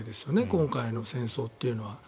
今回の戦争というのは。